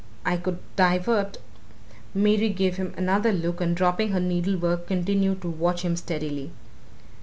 "I could divert " Mary gave him another look and dropping her needlework continued to watch him steadily.